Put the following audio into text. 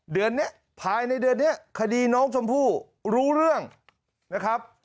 เดือนนี้ภายในเดือนนี้คดีน้องชมพู่รู้เรื่องนะครับ